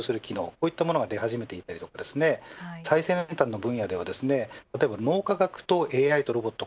こういったものが出始めていたり最先端分野では脳科学とＡＩとロボット